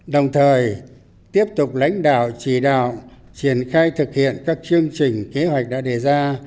đồng thời tiếp tục lãnh đạo chỉ đạo triển khai thực hiện các chương trình kế hoạch đã đề ra